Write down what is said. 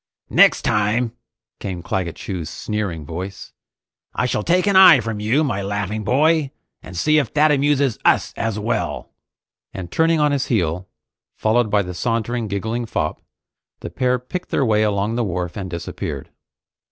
"Next time," came Claggett Chew's sneering voice, "I shall take an eye from you, my laughing boy, and see if that amuses us as well!" And turning on his heel, followed by the sauntering, giggling fop, the pair picked their way along the wharf and disappeared.